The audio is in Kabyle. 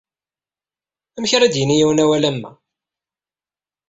Amek ara d-yini yiwen awal am wa?